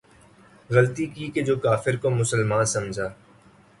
غلطی کی کہ جو کافر کو مسلماں سمجھا